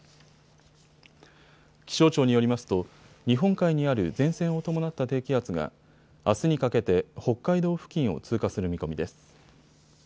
気象庁によりますと日本海にある前線を伴った低気圧があすにかけて北海道付近を通過する見込みです。